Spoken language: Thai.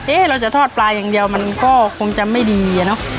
เราจะทอดปลาอย่างเดียวมันก็คงจะไม่ดีอะเนาะ